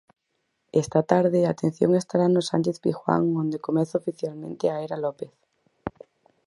Esta tarde a atención estará no Sánchez-Pizjuán, onde comeza oficialmente a era López.